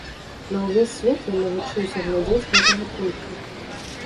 На ўвесь свет ён навучыўся глядзець з гэтага пункта.